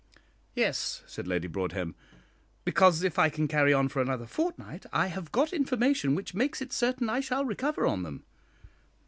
"Yes," said Lady Broadhem; "because if I can carry on for another fortnight, I have got information which makes it certain I shall recover on them."